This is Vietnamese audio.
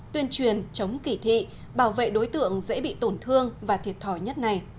tuyên truyền chống kỳ thị bảo vệ đối tượng dễ bị tổn thương và thiệt thòi nhất này